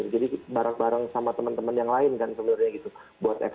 jadi bareng bareng sama teman teman yang lain kan sebenarnya gitu